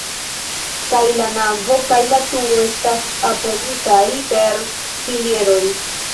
Kaj la navo kaj la turo estas apogitaj per pilieroj.